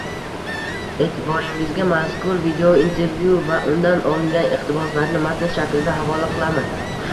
E’tiboringizga mazkur videointervyu va undan olingan iqtiboslarni matn shaklida havola qilamiz.